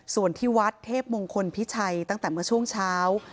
ส่วนที่วัดเทพมงคลพิชัยตั้งแต่เมื่อช่วงเช้า